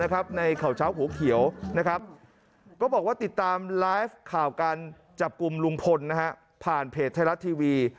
นะครับในข่าวเช้าหูเขียวนะครับก็บอกว่าติดตามไลฟ์ข่าวการจับกุมลุงพลผ่านเพจไทยรัพย์ทีวี